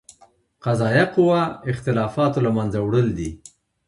قضائیه قوه اختلافاتو له منځه وړل دي.